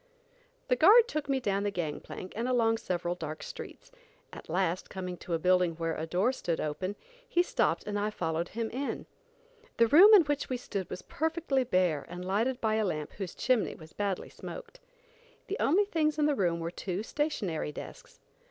The guard took me down the gang plank, and along several dark streets. At last, coming to a building where a door stood open, he stopped and I followed him in. The room in which we stood was perfectly bare and lighted by a lamp whose chimney was badly smoked. The only things in the room were two stationary desks.